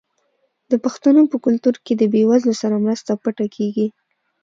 د پښتنو په کلتور کې د بې وزلو سره مرسته پټه کیږي.